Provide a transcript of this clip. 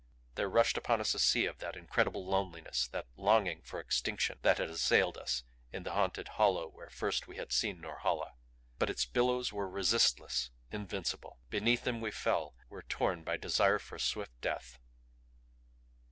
There rushed upon us a sea of that incredible loneliness, that longing for extinction that had assailed us in the haunted hollow where first we had seen Norhala. But its billows were resistless, invincible. Beneath them we fell; were torn by desire for swift death.